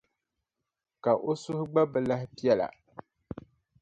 Ka o suhu gba bi lahi piɛla.